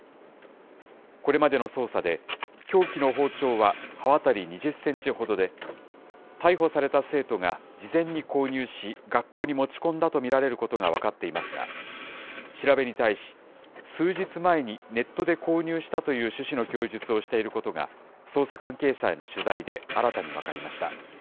これまでの捜査で、凶器の包丁は刃渡り２０センチほどで、逮捕された生徒が事前に購入し、学校に持ち込んだと見られることが分かっていますが、調べに対し、数日前にネットで購入したという趣旨の供述をしていることが、捜査関係者への取材で新たに分かりました。